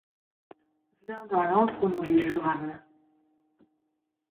Viens dans l'antre où nous les jurâmes